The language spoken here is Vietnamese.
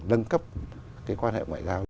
nâng cấp quan hệ ngoại giao